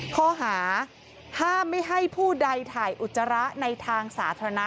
ข้อหาห้ามไม่ให้ผู้ใดถ่ายอุจจาระในทางสาธารณะ